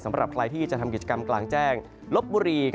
สำหรับใครที่จะทำกิจกรรมกลางแจ้งลบบุรี